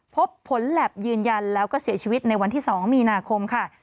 พบผลแล็บยืนยันแล้วก็เสียชีวิตในวันที่๒มีนาคมค่ะ